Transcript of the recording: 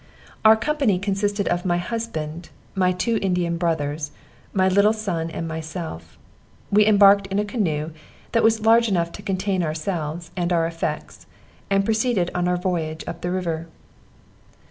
Our company consisted of my husband, my two Indian brothers, my little son and myself. We embarked in a canoe that was large enough to contain ourselves, and our effects, and proceeded on our voyage up the river.